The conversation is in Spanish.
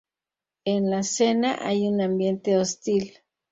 En la cena, hay un ambiente hostil.